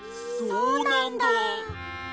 そうなんだ。